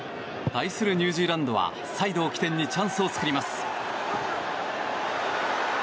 対するニュージーランドはサイドを起点にチャンスを作ります。